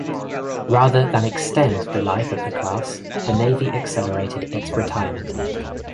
Rather than extend the life of the class, the Navy accelerated its retirement.